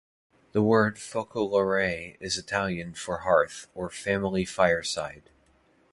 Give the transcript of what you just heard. The word "Focolare" is Italian for "hearth" or "family fireside".